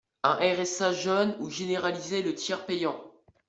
un RSA jeunes ou généraliser le tiers payant.